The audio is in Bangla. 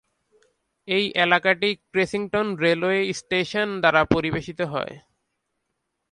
এই এলাকাটি ক্রেসিংটন রেলওয়ে স্টেশন দ্বারা পরিবেশিত হয়।